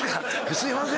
すいません。